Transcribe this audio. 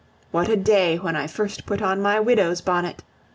What a day when I first put on my widow's bonnet!